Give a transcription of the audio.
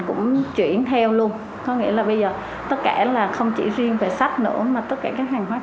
cũng là những đọc giả khá là trung thành của an book